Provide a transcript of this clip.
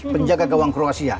penjaga gawang kroasia